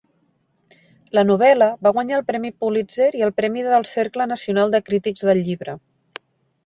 La novel·la va guanyar el Premi Pulitzer i el Premi del Cercle Nacional de Crítics del Llibre.